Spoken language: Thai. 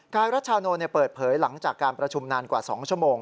รัชชาโนนเปิดเผยหลังจากการประชุมนานกว่า๒ชั่วโมง